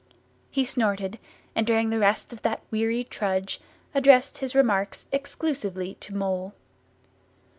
—He snorted, and during the rest of that weary trudge addressed his remarks exclusively to Mole.